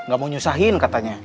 gak mau nyusahin katanya